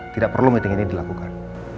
tidak perlu meeting ini dilakukan